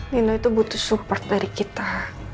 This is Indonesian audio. nino itu butuh support dari kita